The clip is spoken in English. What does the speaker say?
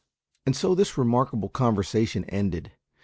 And so this remarkable conversation ended.